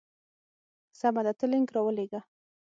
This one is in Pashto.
سمه ده ته لینک راولېږه.